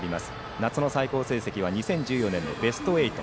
夏の最高成績は２０１４年のベスト８。